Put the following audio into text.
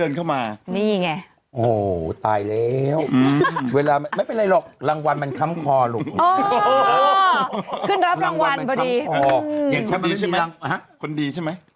็คือแบบแบบนี้